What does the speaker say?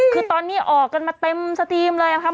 คือตอนนี้ออกกันมาเต็มสตรีมเลยนะครับ